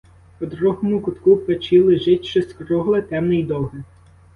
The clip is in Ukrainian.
У другому кутку печі лежить щось кругле, темне й довге.